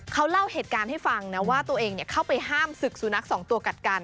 เขาเล่าเหตุการณ์ให้ฟังนะว่าตัวเองเข้าไปห้ามศึกสุนัขสองตัวกัดกัน